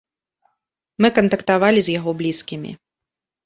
Мы кантактавалі з яго блізкімі.